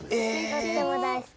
とってもだいすき。